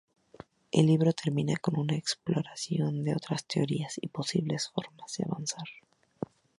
El libro termina con una exploración de otras teorías y posibles formas de avanzar.